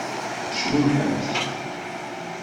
Cmumḥemt!